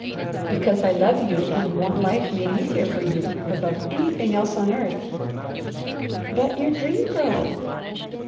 "Because I love you, and want life made easier for you, above anything else on earth." "But your Dream Girl!"